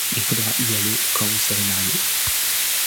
Il faudra y aller quand vous serez mariés.